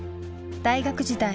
大学時代